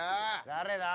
誰だ？